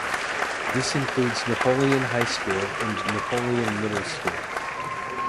This includes Napoleon High School and Napoleon Middle School.